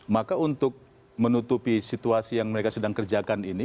maka untuk menutupi situasi yang mereka sedang kerjakan ini